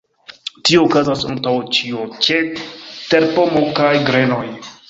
Tio okazas antaŭ ĉio ĉe terpomo kaj grenoj.